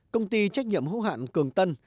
công ty trách nhiệm hữu hạn cường tân